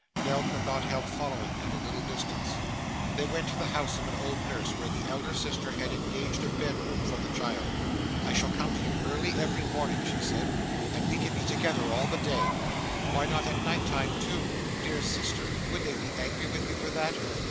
Nell could not help following at a little distance. They went to the house of an old nurse, where the elder sister had engaged a bed room for the child. 'I shall come to you early every morning,' she said, 'and we can be together all the day.' 'Why not at night time too? Dear sister, would they be angry with you for that?